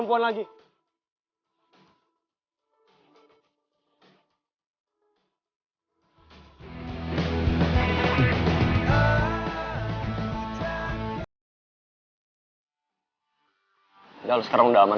kepasin gak kepasin sekarang juga